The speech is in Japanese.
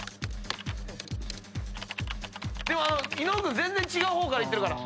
でも伊野尾君全然違う方からいってるから。